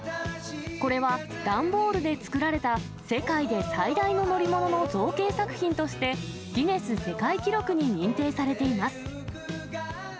これは段ボールで作られた、世界で最大の乗り物の造形作品として、ギネス世界記録に認定されています。